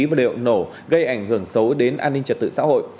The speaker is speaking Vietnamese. và liệu nổ gây ảnh hưởng xấu đến an ninh trật tự xã hội